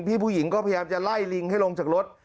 พี่ผู้หญิงก็พยายามจะไล่ลิงให้ลงจากรถ